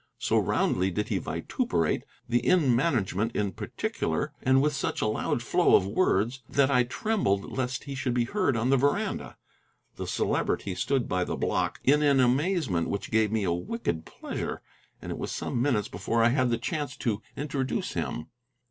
So roundly did he vituperate the inn management in particular, and with such a loud flow of words, that I trembled lest he should be heard on the veranda. The Celebrity stood by the block, in an amazement which gave me a wicked pleasure, and it was some minutes before I had the chance to introduce him.